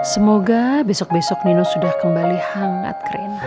semoga besok besok nino sudah kembali hangat cream